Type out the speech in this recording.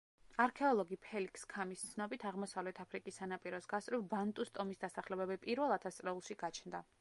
არქეოლოგი ფელიქს ქამის ცნობით აღმოსავლეთ აფრიკის სანაპიროს გასწვრივ ბანტუს ტომის დასახლებები პირველ ათასწლეულში გაჩნდა.